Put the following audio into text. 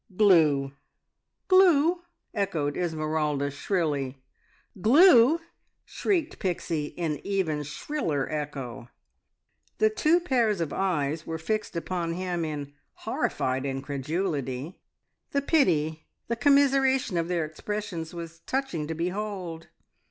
"Glue!" "Glue!" echoed Esmeralda shrilly. "Glue!" shrieked Pixie in even shriller echo. The two pairs of eyes were fixed upon him in horrified incredulity. The pity, the commiseration of their expressions was touching to behold.